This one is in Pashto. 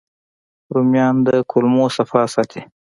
رومیان د کولمو صفا ساتي